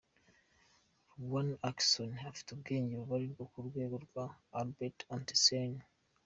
Rowan Atkinson afite ubwenge bubarirwa ku rwego rwa Albert Einstein.